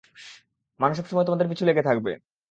মানুষ সবসময় তোমাদের পিছু লেগে থাকবে।